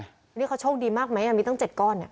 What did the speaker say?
เดี๋ยวเค้าโชคดีมากมั้ยอันนี้ตั้ง๗ก้อน